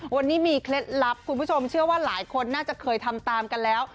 วันนี้มีเคล็ดลับคุณผู้ชมเชื่อว่าหลายคนน่าจะเคยทำตามกันแล้ว